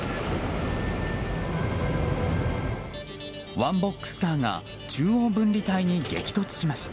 ワンボックスカーが中央分離帯に激突しました。